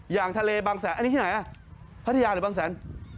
อย่างทะเลบางแสนอันนี้ที่ไหนอ่ะพัทยาหรือบางแสน